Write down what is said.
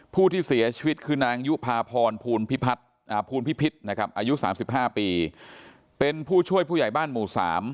ผู้ที่เสียชีวิตคือนางยุภาพรภูลพิพิษนะครับอายุ๓๕ปีเป็นผู้ช่วยผู้ใหญ่บ้านหมู่๓